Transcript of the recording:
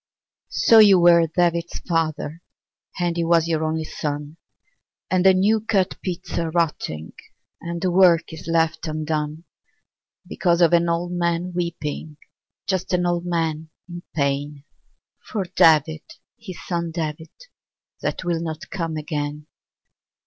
lO you were David's father, And he was your only son, And the new cut peats are rotting And the work is left undone. Because of an old man weeping, Just an old man in pain. For David, his son David, That will not come again.